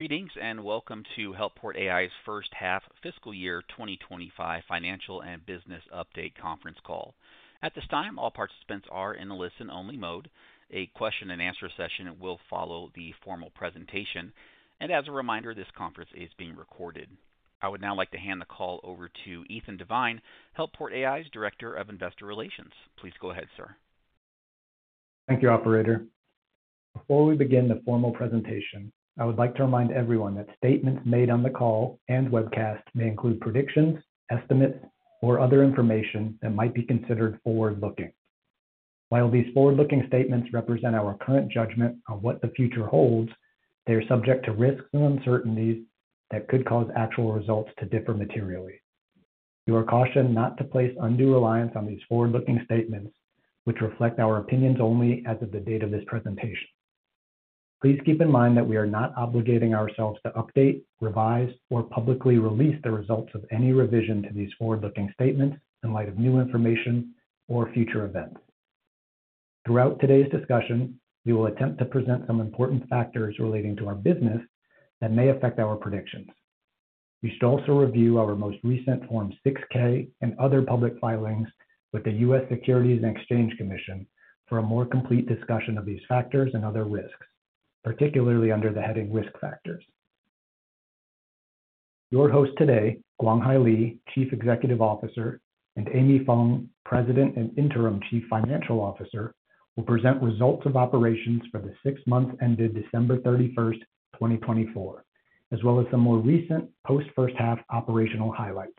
Greetings and welcome to Helport AI's first half fiscal year 2025 financial and business update conference call. At this time, all participants are in a listen-only mode. A question-and-answer session will follow the formal presentation. As a reminder, this conference is being recorded. I would now like to hand the call over to Ethan Devine, Helport AI's Director of Investor Relations. Please go ahead, sir. Thank you, Operator. Before we begin the formal presentation, I would like to remind everyone that statements made on the call and webcast may include predictions, estimates, or other information that might be considered forward-looking. While these forward-looking statements represent our current judgment on what the future holds, they are subject to risks and uncertainties that could cause actual results to differ materially. You are cautioned not to place undue reliance on these forward-looking statements, which reflect our opinions only as of the date of this presentation. Please keep in mind that we are not obligating ourselves to update, revise, or publicly release the results of any revision to these forward-looking statements in light of new information or future events. Throughout today's discussion, we will attempt to present some important factors relating to our business that may affect our predictions. We should also review our most recent Form 6-K and other public filings with the U.S. Securities and Exchange Commission for a more complete discussion of these factors and other risks, particularly under the heading Risk Factors. Your hosts today, Guanghai Li, Chief Executive Officer, and Amy Fong, President and Interim Chief Financial Officer, will present results of operations for the six months ended December 31st, 2024, as well as some more recent post-first half operational highlights.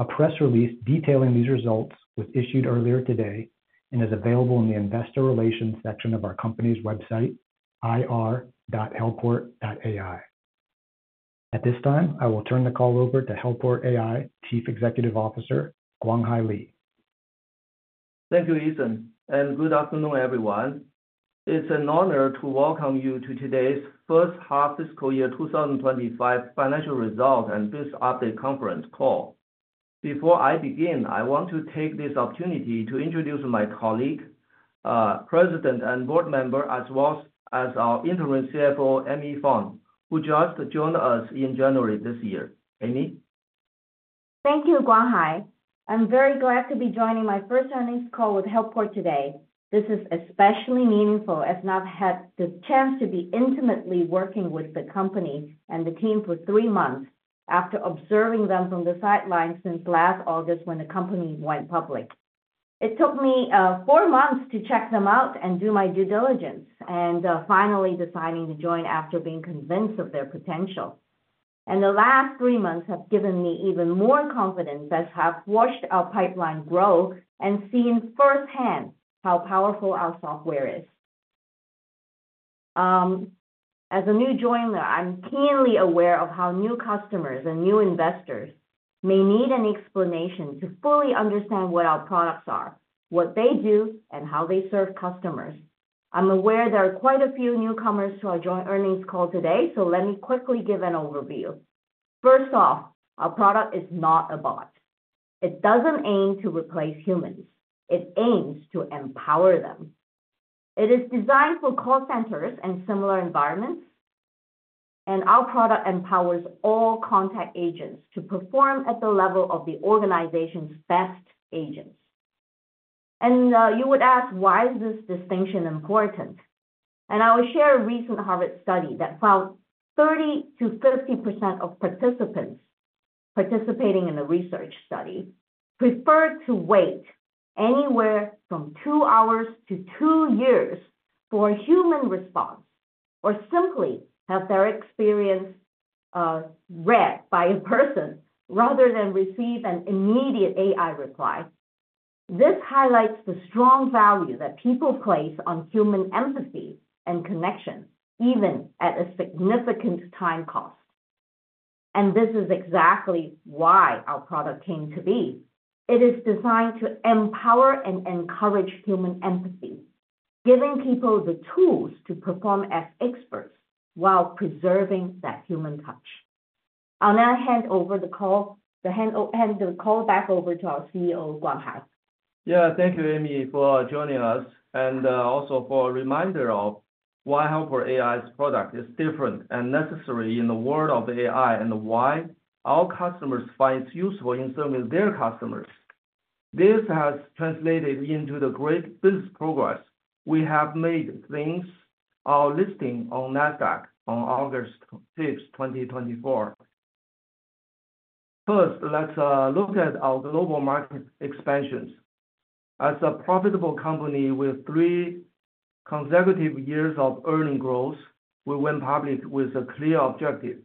A press release detailing these results was issued earlier today and is available in the Investor Relations section of our company's website, ir.helport.ai. At this time, I will turn the call over to Helport AI Chief Executive Officer, Guanghai Li. Thank you, Ethan. Good afternoon, everyone. It's an honor to welcome you to today's first half fiscal year 2025 financial result and business update conference call. Before I begin, I want to take this opportunity to introduce my colleague, President and Board Member, as well as our Interim CFO, Amy Fong, who just joined us in January this year. Amy? Thank you, Guanghai. I'm very glad to be joining my first earnings call with Helport AI today. This is especially meaningful as I've had the chance to be intimately working with the company and the team for three months after observing them from the sidelines since last August when the company went public. It took me four months to check them out and do my due diligence and finally deciding to join after being convinced of their potential. The last three months have given me even more confidence as I've watched our pipeline grow and seen firsthand how powerful our software is. As a new joiner, I'm keenly aware of how new customers and new investors may need an explanation to fully understand what our products are, what they do, and how they serve customers. I'm aware there are quite a few newcomers to our joint earnings call today, so let me quickly give an overview. First off, our product is not a bot. It doesn't aim to replace humans. It aims to empower them. It is designed for call centers and similar environments, and our product empowers all contact agents to perform at the level of the organization's best agents. You would ask, why is this distinction important? I will share a recent Harvard study that found 30%-50% of participants participating in the research study prefer to wait anywhere from two hours to two years for a human response or simply have their experience read by a person rather than receive an immediate AI reply. This highlights the strong value that people place on human empathy and connection, even at a significant time cost. This is exactly why our product came to be. It is designed to empower and encourage human empathy, giving people the tools to perform as experts while preserving that human touch. I'll now hand the call back over to our CEO, Guanghai. Yeah, thank you, Amy, for joining us and also for a reminder of why Helport AI's product is different and necessary in the world of AI and why our customers find it useful in serving their customers. This has translated into the great business progress we have made since our listing on Nasdaq on August 6, 2024. First, let's look at our global market expansions. As a profitable company with three consecutive years of earning growth, we went public with a clear objective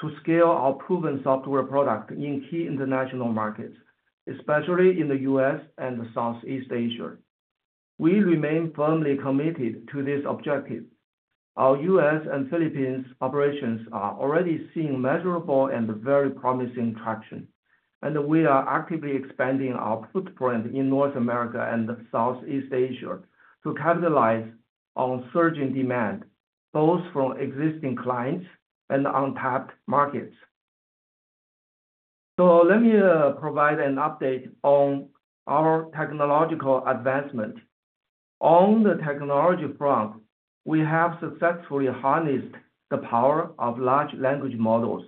to scale our proven software product in key international markets, especially in the U.S. and Southeast Asia. We remain firmly committed to this objective. Our U.S. and Philippines operations are already seeing measurable and very promising traction, and we are actively expanding our footprint in North America and Southeast Asia to capitalize on surging demand both from existing clients and untapped markets. Let me provide an update on our technological advancement. On the technology front, we have successfully harnessed the power of large language models,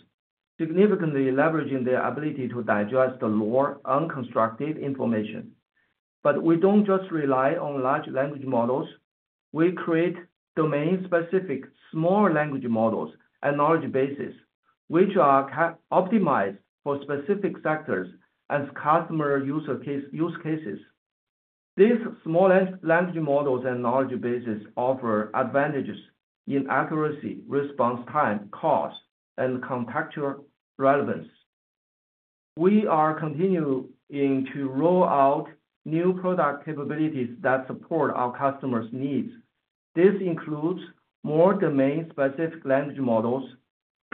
significantly leveraging their ability to digest the raw, unconstructed information. We do not just rely on large language models. We create domain-specific small language models and knowledge bases, which are optimized for specific sectors as customer use cases. These small language models and knowledge bases offer advantages in accuracy, response time, cost, and contextual relevance. We are continuing to roll out new product capabilities that support our customers' needs. This includes more domain-specific language models,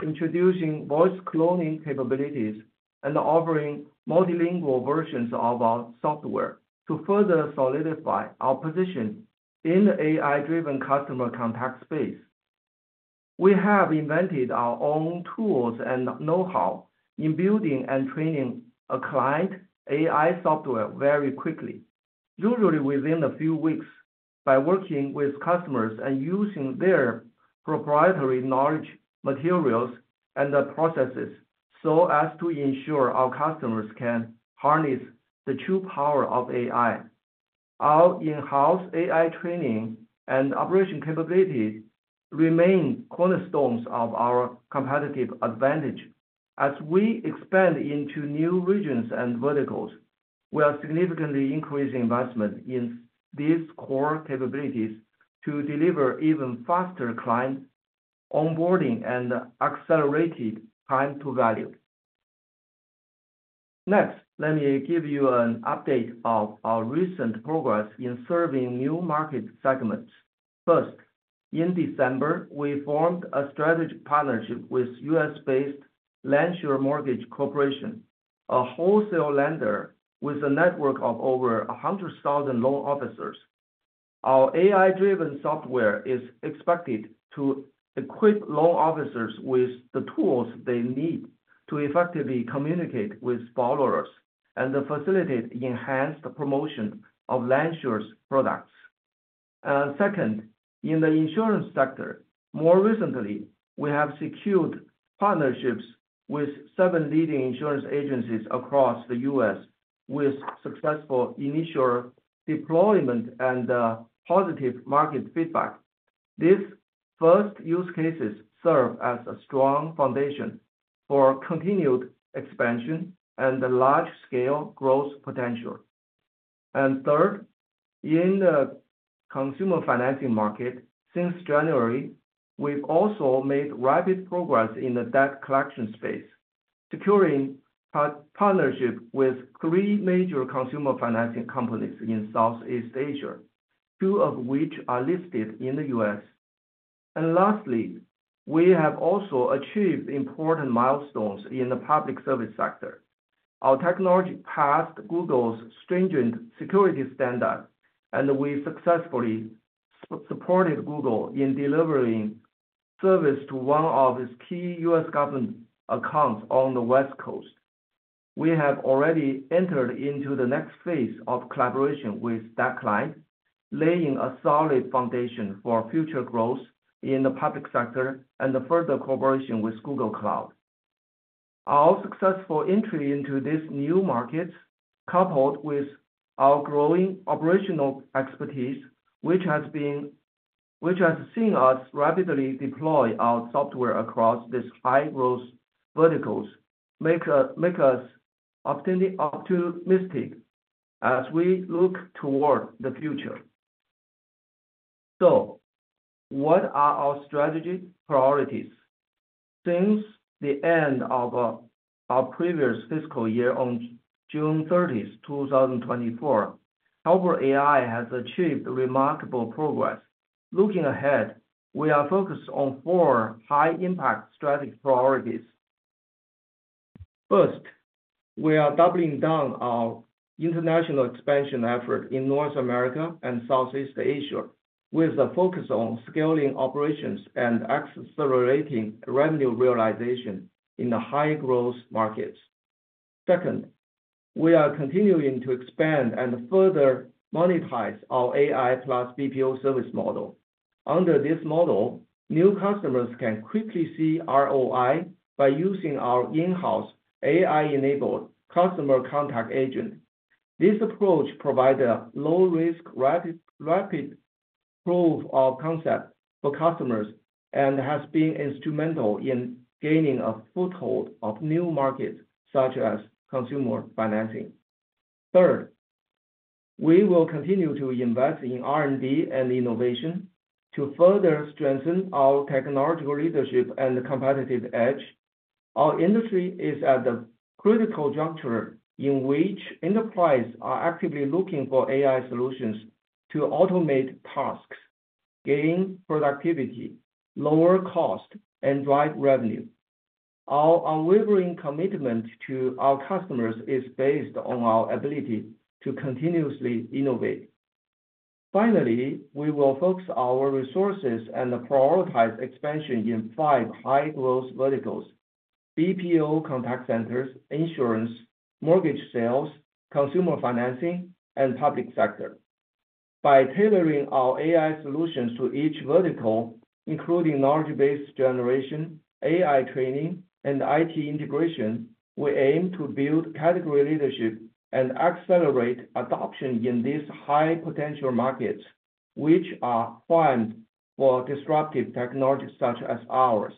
introducing voice cloning capabilities, and offering multilingual versions of our software to further solidify our position in the AI-driven customer contact space. We have invented our own tools and know-how in building and training a client AI software very quickly, usually within a few weeks, by working with customers and using their proprietary knowledge, materials, and processes so as to ensure our customers can harness the true power of AI. Our in-house AI training and operation capabilities remain cornerstones of our competitive advantage. As we expand into new regions and verticals, we are significantly increasing investment in these core capabilities to deliver even faster client onboarding and accelerated time to value. Next, let me give you an update of our recent progress in serving new market segments. First, in December, we formed a strategic partnership with U.S.-based LendSure Mortgage Corporation, a wholesale lender with a network of over 100,000 loan officers. Our AI-driven software is expected to equip loan officers with the tools they need to effectively communicate with borrowers and facilitate enhanced promotion of LendSure's products. Second, in the insurance sector, more recently, we have secured partnerships with seven leading insurance agencies across the U.S. with successful initial deployment and positive market feedback. These first use cases serve as a strong foundation for continued expansion and large-scale growth potential. Third, in the consumer financing market, since January, we've also made rapid progress in the debt collection space, securing partnerships with three major consumer financing companies in Southeast Asia, two of which are listed in the U.S. Lastly, we have also achieved important milestones in the public service sector. Our technology passed Google's stringent security standard, and we successfully supported Google in delivering service to one of its key U.S. government accounts on the West Coast. We have already entered into the next phase of collaboration with that client, laying a solid foundation for future growth in the public sector and further cooperation with Google Cloud. Our successful entry into these new markets, coupled with our growing operational expertise, which has seen us rapidly deploy our software across these high-growth verticals, makes us optimistic as we look toward the future. What are our strategy priorities? Since the end of our previous fiscal year on June 30, 2024, Helport AI has achieved remarkable progress. Looking ahead, we are focused on four high-impact strategy priorities. First, we are doubling down our international expansion effort in North America and Southeast Asia with a focus on scaling operations and accelerating revenue realization in the high-growth markets. Second, we are continuing to expand and further monetize our AI plus BPO service model. Under this model, new customers can quickly see ROI by using our in-house AI-enabled customer contact agent. This approach provides a low-risk, rapid proof of concept for customers and has been instrumental in gaining a foothold of new markets such as consumer financing. Third, we will continue to invest in R&D and innovation to further strengthen our technological leadership and competitive edge. Our industry is at the critical juncture in which enterprises are actively looking for AI solutions to automate tasks, gain productivity, lower cost, and drive revenue. Our unwavering commitment to our customers is based on our ability to continuously innovate. Finally, we will focus our resources and prioritize expansion in five high-growth verticals: BPO contact centers, insurance, mortgage sales, consumer financing, and public sector. By tailoring our AI solutions to each vertical, including knowledge base generation, AI training, and IT integration, we aim to build category leadership and accelerate adoption in these high-potential markets, which are primed for disruptive technologies such as ours.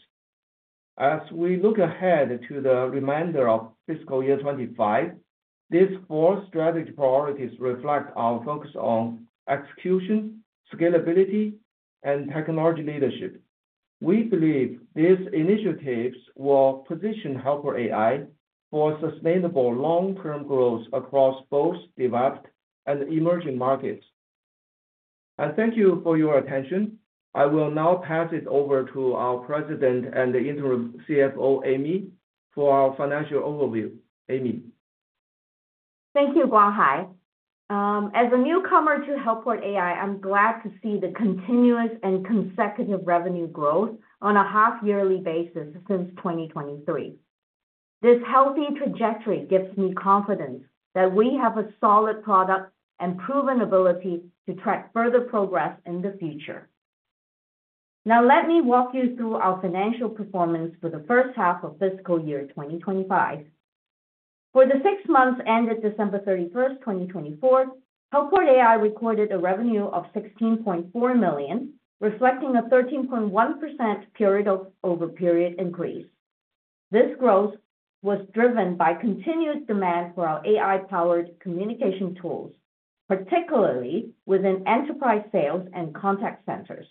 As we look ahead to the remainder of fiscal year 2025, these four strategy priorities reflect our focus on execution, scalability, and technology leadership. We believe these initiatives will position Helport AI for sustainable long-term growth across both developed and emerging markets. I thank you for your attention. I will now pass it over to our President and Interim Chief Financial Officer, Amy, for our financial overview. Amy. Thank you, Guanghai. As a newcomer to Helport AI, I'm glad to see the continuous and consecutive revenue growth on a half-yearly basis since 2023. This healthy trajectory gives me confidence that we have a solid product and proven ability to track further progress in the future. Now, let me walk you through our financial performance for the first half of fiscal year 2025. For the six months ended December 31st, 2024, Helport AI recorded a revenue of $16.4 million, reflecting a 13.1% period-over-period increase. This growth was driven by continued demand for our AI-powered communication tools, particularly within enterprise sales and contact centers.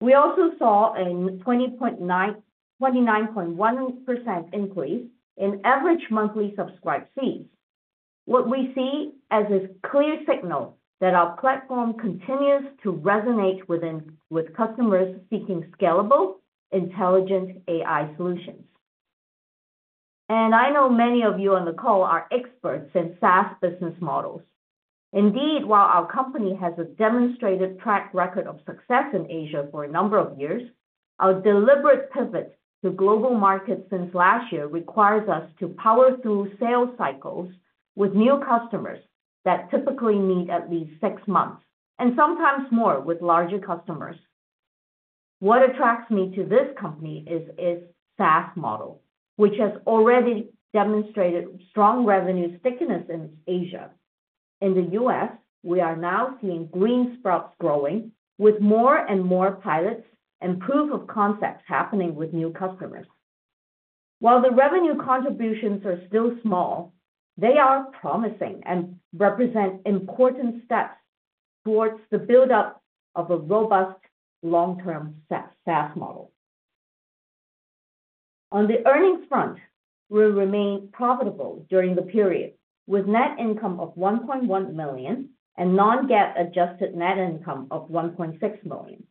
We also saw a 29.1% increase in average monthly subscribe fees, what we see as a clear signal that our platform continues to resonate with customers seeking scalable, intelligent AI solutions. I know many of you on the call are experts in SaaS business models. Indeed, while our company has a demonstrated track record of success in Asia for a number of years, our deliberate pivot to global markets since last year requires us to power through sales cycles with new customers that typically need at least six months and sometimes more with larger customers. What attracts me to this company is its SaaS model, which has already demonstrated strong revenue stickiness in Asia. In the U.S., we are now seeing green sprouts growing with more and more pilots and proof of concepts happening with new customers. While the revenue contributions are still small, they are promising and represent important steps towards the build-up of a robust long-term SaaS model. On the earnings front, we remain profitable during the period with net income of $1.1 million and non-GAAP adjusted net income of $1.6 million.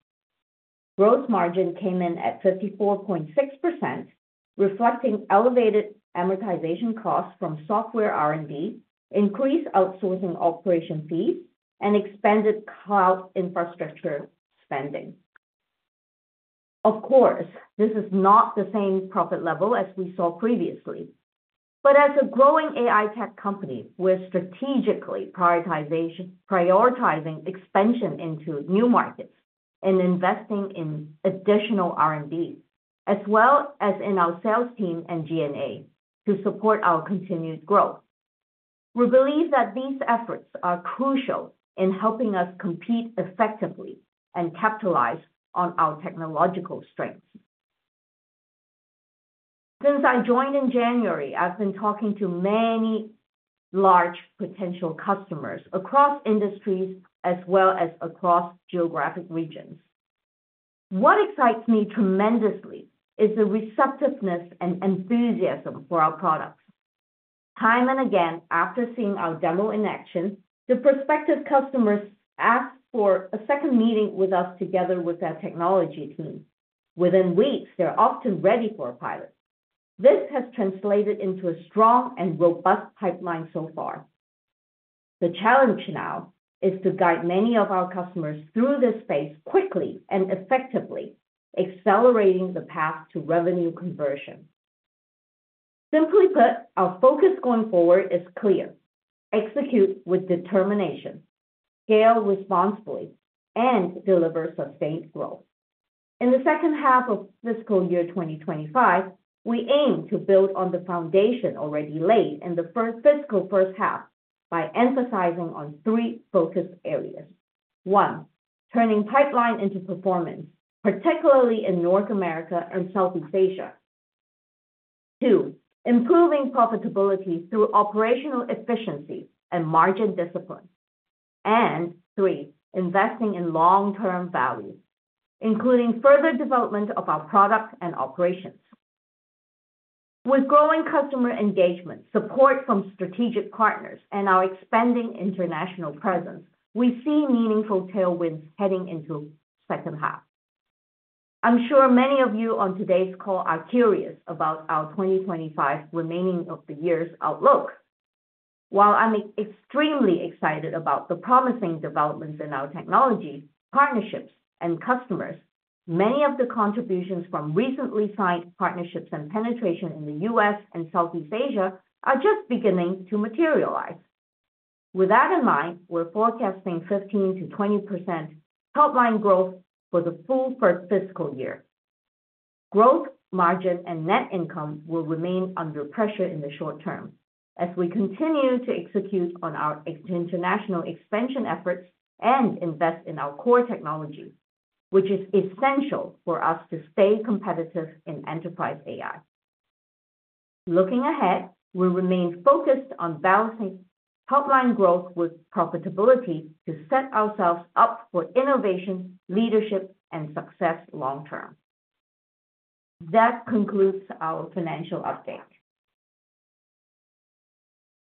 Gross margin came in at 54.6%, reflecting elevated amortization costs from software R&D, increased outsourcing operation fees, and expanded cloud infrastructure spending. Of course, this is not the same profit level as we saw previously. As a growing AI tech company, we're strategically prioritizing expansion into new markets and investing in additional R&D, as well as in our sales team and G&A to support our continued growth. We believe that these efforts are crucial in helping us compete effectively and capitalize on our technological strengths. Since I joined in January, I've been talking to many large potential customers across industries as well as across geographic regions. What excites me tremendously is the receptiveness and enthusiasm for our products. Time and again, after seeing our demo in action, the prospective customers ask for a second meeting with us together with their technology team. Within weeks, they're often ready for a pilot. This has translated into a strong and robust pipeline so far. The challenge now is to guide many of our customers through this phase quickly and effectively, accelerating the path to revenue conversion. Simply put, our focus going forward is clear: execute with determination, scale responsibly, and deliver sustained growth. In the second half of fiscal year 2025, we aim to build on the foundation already laid in the fiscal first half by emphasizing three focus areas. One, turning pipeline into performance, particularly in North America and Southeast Asia. Two, improving profitability through operational efficiency and margin discipline. Three, investing in long-term value, including further development of our product and operations. With growing customer engagement, support from strategic partners, and our expanding international presence, we see meaningful tailwinds heading into the second half. I'm sure many of you on today's call are curious about our 2025 remaining of the year's outlook. While I'm extremely excited about the promising developments in our technology partnerships and customers, many of the contributions from recently signed partnerships and penetration in the U.S. and Southeast Asia are just beginning to materialize. With that in mind, we're forecasting 15%-20% top-line growth for the full fiscal year. Growth, margin, and net income will remain under pressure in the short term as we continue to execute on our international expansion efforts and invest in our core technology, which is essential for us to stay competitive in enterprise AI. Looking ahead, we remain focused on balancing top-line growth with profitability to set ourselves up for innovation, leadership, and success long-term. That concludes our financial update.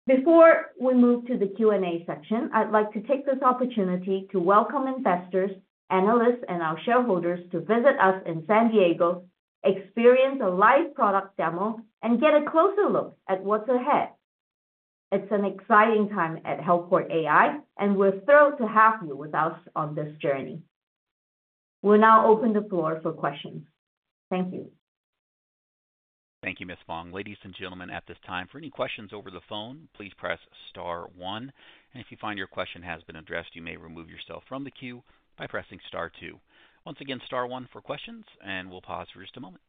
Before we move to the Q&A section, I'd like to take this opportunity to welcome investors, analysts, and our shareholders to visit us in San Diego, experience a live product demo, and get a closer look at what's ahead. It's an exciting time at Helport AI, and we're thrilled to have you with us on this journey. We'll now open the floor for questions. Thank you. Thank you, Ms. Fong. Ladies and gentlemen, at this time, for any questions over the phone, please press star one. If you find your question has been addressed, you may remove yourself from the queue by pressing star two. Once again, star one for questions, and we'll pause for just a moment.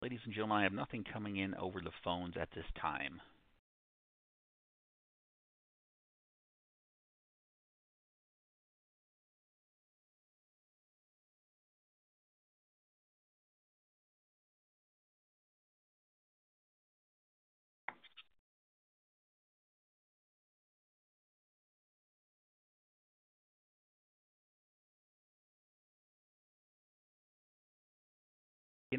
Ladies and gentlemen, I have nothing coming in over the phones at this time.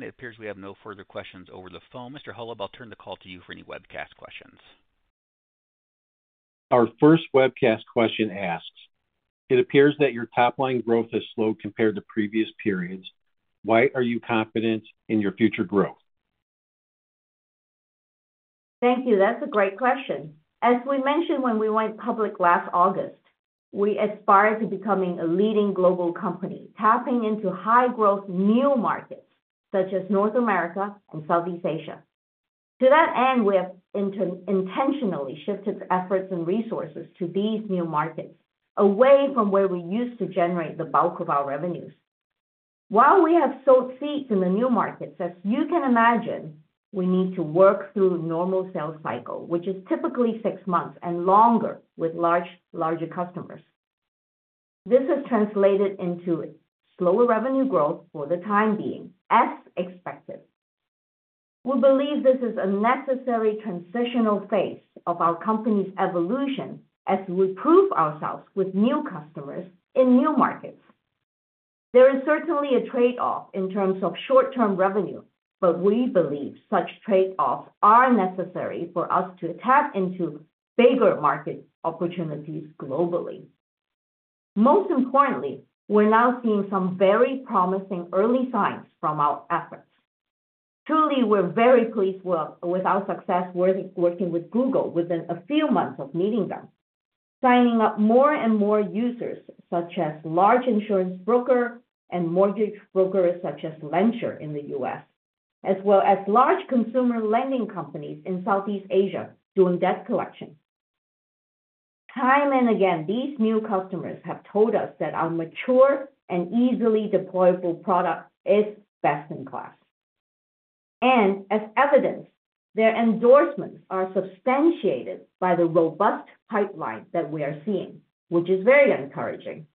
It appears we have no further questions over the phone. Mr. Holub, I'll turn the call to you for any webcast questions. Our first webcast question asks, "It appears that your top-line growth has slowed compared to previous periods. Why are you confident in your future growth? Thank you. That's a great question. As we mentioned when we went public last August, we aspire to becoming a leading global company, tapping into high-growth new markets such as North America and Southeast Asia. To that end, we have intentionally shifted efforts and resources to these new markets away from where we used to generate the bulk of our revenues. While we have sold seats in the new markets, as you can imagine, we need to work through a normal sales cycle, which is typically six months and longer with larger customers. This has translated into slower revenue growth for the time being, as expected. We believe this is a necessary transitional phase of our company's evolution as we prove ourselves with new customers in new markets. There is certainly a trade-off in terms of short-term revenue, but we believe such trade-offs are necessary for us to tap into bigger market opportunities globally. Most importantly, we're now seeing some very promising early signs from our efforts. Truly, we're very pleased with our success working with Google within a few months of meeting them, signing up more and more users such as large insurance brokers and mortgage brokers such as LendSure in the U.S., as well as large consumer lending companies in Southeast Asia doing debt collection. Time and again, these new customers have told us that our mature and easily deployable product is best in class. As evidence, their endorsements are substantiated by the robust pipeline that we are seeing, which is very encouraging.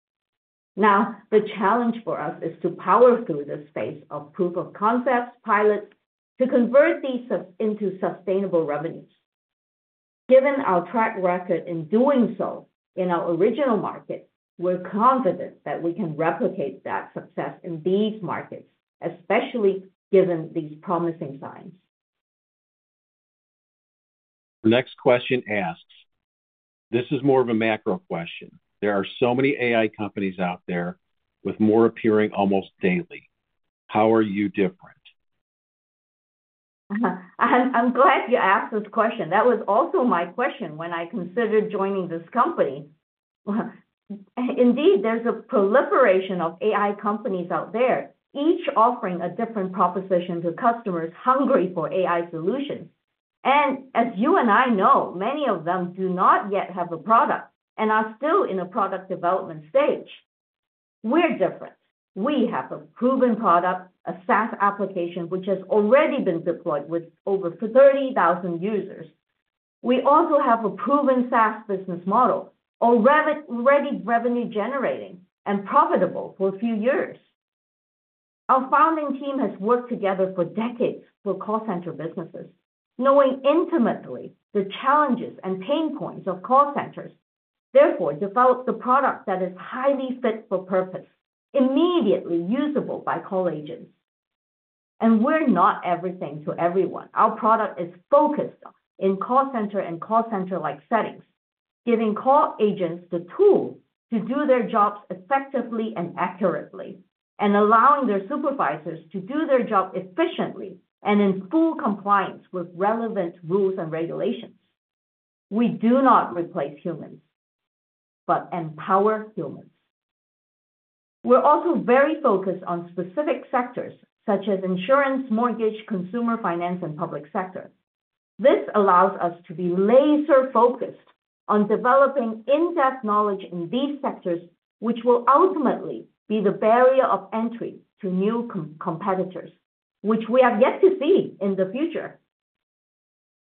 Now, the challenge for us is to power through this phase of proof of concepts pilots to convert these into sustainable revenues. Given our track record in doing so in our original market, we're confident that we can replicate that success in these markets, especially given these promising signs. The next question asks, "This is more of a macro question. There are so many AI companies out there with more appearing almost daily. How are you different? I'm glad you asked this question. That was also my question when I considered joining this company. Indeed, there's a proliferation of AI companies out there, each offering a different proposition to customers hungry for AI solutions. As you and I know, many of them do not yet have a product and are still in a product development stage. We're different. We have a proven product, a SaaS application, which has already been deployed with over 30,000 users. We also have a proven SaaS business model, already revenue-generating and profitable for a few years. Our founding team has worked together for decades for call center businesses, knowing intimately the challenges and pain points of call centers, therefore developed the product that is highly fit for purpose, immediately usable by call agents. We're not everything to everyone. Our product is focused on call center and call center-like settings, giving call agents the tools to do their jobs effectively and accurately, and allowing their supervisors to do their job efficiently and in full compliance with relevant rules and regulations. We do not replace humans, but empower humans. We're also very focused on specific sectors such as insurance, mortgage, consumer finance, and public sector. This allows us to be laser-focused on developing in-depth knowledge in these sectors, which will ultimately be the barrier of entry to new competitors, which we have yet to see in the future.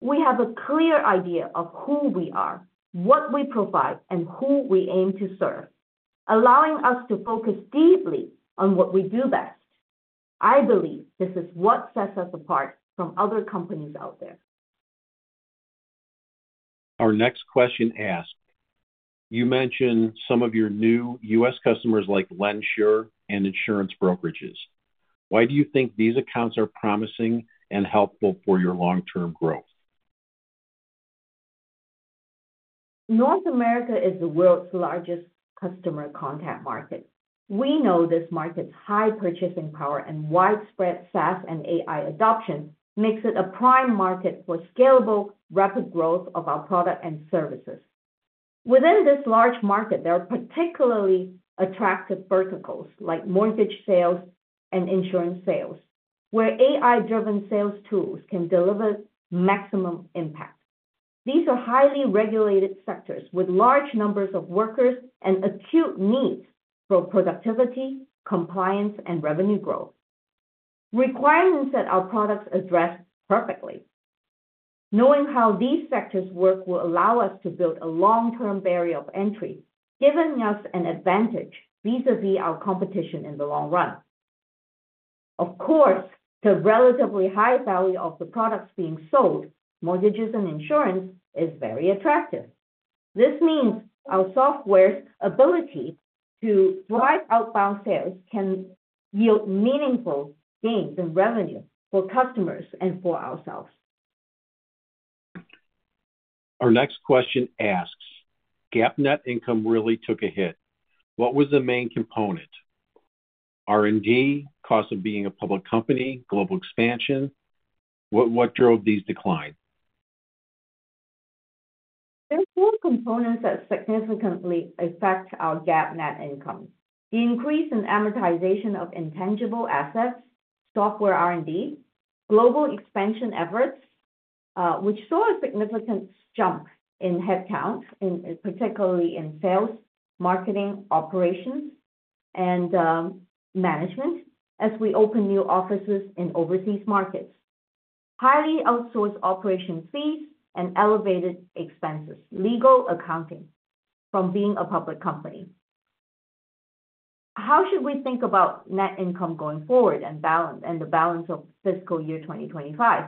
We have a clear idea of who we are, what we provide, and who we aim to serve, allowing us to focus deeply on what we do best. I believe this is what sets us apart from other companies out there. Our next question asks, "You mentioned some of your new U.S. customers like LendSure and insurance brokerages. Why do you think these accounts are promising and helpful for your long-term growth? North America is the world's largest customer contact market. We know this market's high purchasing power and widespread SaaS and AI adoption makes it a prime market for scalable, rapid growth of our product and services. Within this large market, there are particularly attractive verticals like mortgage sales and insurance sales, where AI-driven sales tools can deliver maximum impact. These are highly regulated sectors with large numbers of workers and acute needs for productivity, compliance, and revenue growth, requirements that our products address perfectly. Knowing how these sectors work will allow us to build a long-term barrier of entry, giving us an advantage vis-à-vis our competition in the long run. Of course, the relatively high value of the products being sold, mortgages and insurance, is very attractive. This means our software's ability to drive outbound sales can yield meaningful gains in revenue for customers and for ourselves. Our next question asks, "GAAP net income really took a hit. What was the main component? R&D, cost of being a public company, global expansion? What drove these declines? There are four components that significantly affect our GAAP net income: the increase in amortization of intangible assets, software R&D, global expansion efforts, which saw a significant jump in headcount, particularly in sales, marketing, operations, and management as we opened new offices in overseas markets, highly outsourced operation fees, and elevated expenses, legal accounting from being a public company. How should we think about net income going forward and the balance of fiscal year 2025?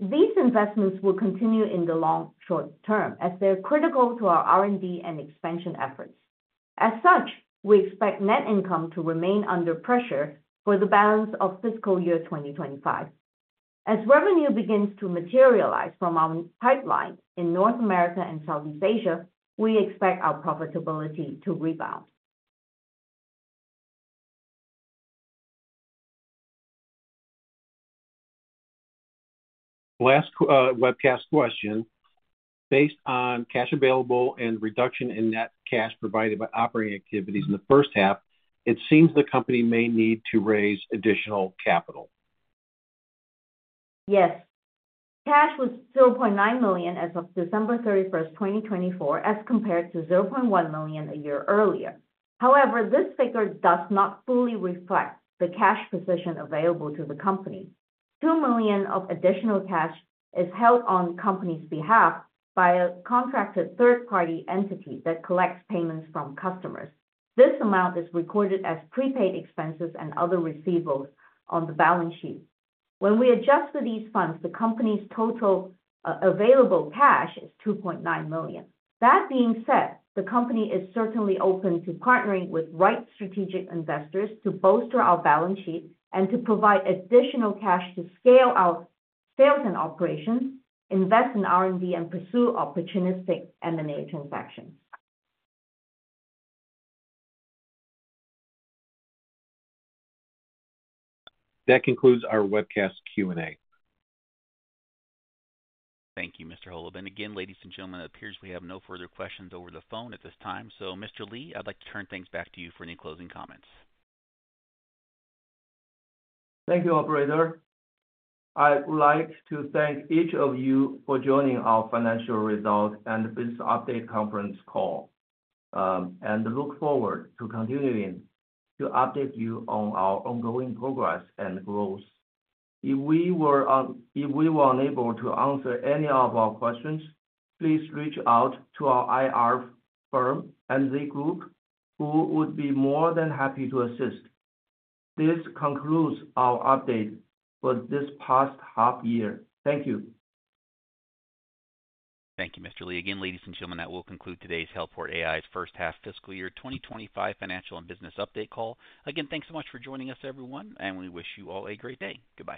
These investments will continue in the long-short term as they're critical to our R&D and expansion efforts. As such, we expect net income to remain under pressure for the balance of fiscal year 2025. As revenue begins to materialize from our pipeline in North America and Southeast Asia, we expect our profitability to rebound. Last webcast question. "Based on cash available and reduction in net cash provided by operating activities in the first half, it seems the company may need to raise additional capital. Yes. Cash was $0.9 million as of December 31, 2024, as compared to $0.1 million a year earlier. However, this figure does not fully reflect the cash position available to the company. $2 million of additional cash is held on the company's behalf by a contracted third-party entity that collects payments from customers. This amount is recorded as prepaid expenses and other receivables on the balance sheet. When we adjust for these funds, the company's total available cash is $2.9 million. That being said, the company is certainly open to partnering with right strategic investors to bolster our balance sheet and to provide additional cash to scale our sales and operations, invest in R&D, and pursue opportunistic M&A transactions. That concludes our webcast Q&A. Thank you, Mr. Holub. Again, ladies and gentlemen, it appears we have no further questions over the phone at this time. Mr. Li, I'd like to turn things back to you for any closing comments. Thank you, Operator. I would like to thank each of you for joining our financial results and business update conference call and look forward to continuing to update you on our ongoing progress and growth. If we were unable to answer any of your questions, please reach out to our IR firm, MZ Group, who would be more than happy to assist. This concludes our update for this past half year. Thank you. Thank you, Mr. Li. Again, ladies and gentlemen, that will conclude today's Helport AI's first half fiscal year 2025 financial and business update call. Again, thanks so much for joining us, everyone, and we wish you all a great day. Goodbye.